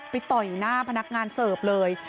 ต่อยหน้าพนักงานเสิร์ฟเลย